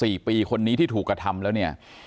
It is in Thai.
สี่ปีคนนี้ที่ถูกกระทำแล้วเนี่ย